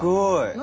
何？